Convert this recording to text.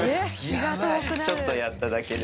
ちょっとやっただけで。